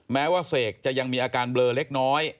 แม้ว่าเสกจะยังมีอาการเบลอเล็กน้อย